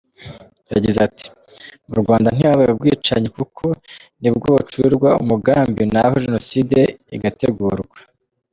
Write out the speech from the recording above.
Yagize ati "Mu Rwanda ntihabaye ubwicanyi kuko nibwo bucurirwa umugambi naho Jenoside igategurwa.